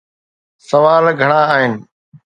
سوال گهڻا آهن.